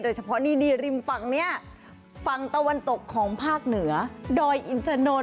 เฉพาะนี่ริมฝั่งนี้ฝั่งตะวันตกของภาคเหนือดอยอินทนนท